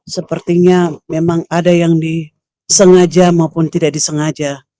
sepertinya memang ada yang disengaja maupun tidak disengaja